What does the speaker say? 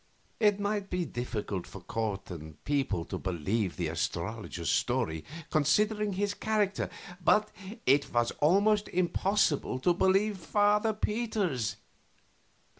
It might be difficult for court and people to believe the astrologer's story, considering his character, but it was almost impossible to believe Father Peter's.